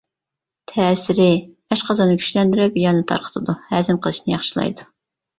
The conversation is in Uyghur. تەسىرى: ئاشقازاننى كۈچلەندۈرۈپ، يەلنى تارقىتىدۇ، ھەزىم قىلىشنى ياخشىلايدۇ.